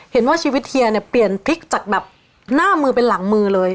เห็นว่าชีวิตเธอย่างเปลี่ยนพลิกจากหน้ามือไปหลังมือเลย